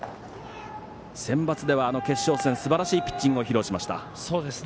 センバツでは決勝戦すばらしいピッチングを披露しました。